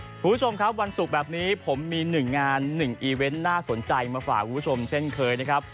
คุณผู้ชมครับวันศุกร์แบบนี้ผมมี๑งาน๑อีเวนต์น่าสนใจมาฝากคุณผู้ชมเช่นเคยนะครับ